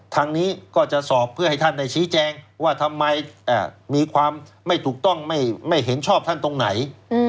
ทางนี้ก็จะสอบเพื่อให้ท่านได้ชี้แจงว่าทำไมมีความไม่ถูกต้องไม่เห็นชอบท่านตรงไหน